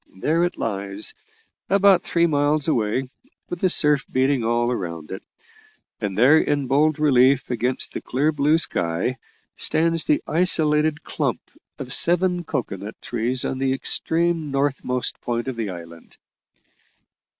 There it lies, about three miles away, with the surf beating all round it; and there, in bold relief against the clear blue sky, stands the isolated clump of seven cocoa nut trees on the extreme northernmost point of the island."